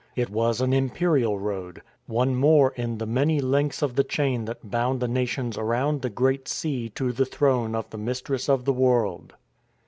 It was an Imperial road — one more in the many links of the chain that bound the nations around the Great Sea to the throne of the Mistress of the World.